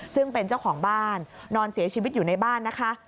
ซึ่งเป็นเจ้าของบ้านนอนเสียชีวิตอยู่ในบ้านนะคะ